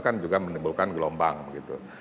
kan juga menimbulkan gelombang begitu